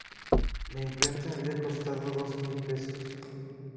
La imprenta había costado dos mil pesos.